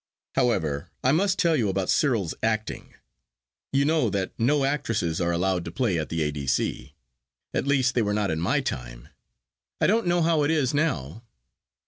'However, I must tell you about Cyril's acting. You know that no actresses are allowed to play at the A.D.C. At least they were not in my time. I don't know how it is now.